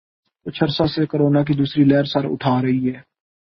کچھ عرصہ سے کورونا کی دوسری لہر سر اٹھا رہی ہے